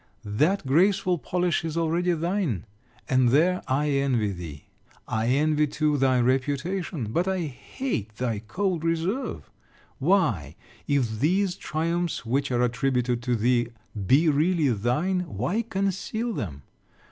That graceful polish is already thine; and, there, I envy thee. I envy too thy reputation; but I hate thy cold reserve. Why, if these triumphs which are attributed to thee be really thine, why conceal them?